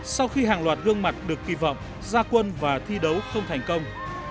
sau khi hàng loạt gương mặt được kỳ vọng gia quân và thi đấu không thành công